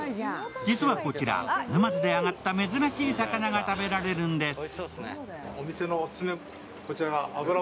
実はこちら沼津であがった珍しい魚が食べられるんです。